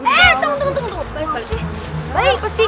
eh tunggu tunggu